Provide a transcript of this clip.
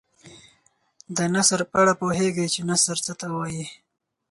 د نثر په اړه پوهیږئ چې نثر څه ته وايي.